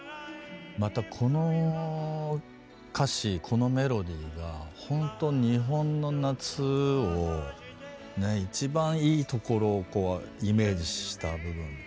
またこの歌詞このメロディーがほんと日本の夏をねえ一番いいところをこうイメージした部分でしょうね。